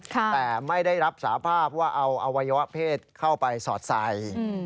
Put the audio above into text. แต่ไม่ได้รับสาภาพว่าเอาอวัยวะเพศเข้าไปสอดใส่